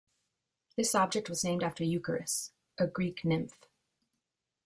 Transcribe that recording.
This object was named after Eucharis, a Greek nymph.